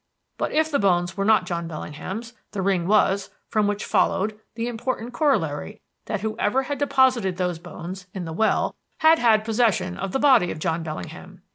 But if the bones were not John Bellingham's, the ring was; from which followed the important corollary that whoever had deposited those bones in the well had had possession of the body of John Bellingham.